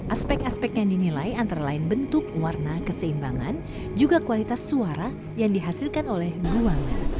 aspek aspek yang dinilai antara lain bentuk warna keseimbangan juga kualitas suara yang dihasilkan oleh gua